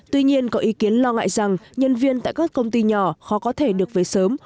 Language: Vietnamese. tuy nhiên có ý kiến lo ngại rằng nhân viên tại các công ty nhỏ khó có thể được về sớm